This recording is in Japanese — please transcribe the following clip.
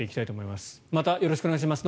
またよろしくお願いします。